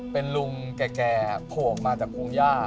เป็นลุงแก่โผล่ออกมาจากพงหญ้า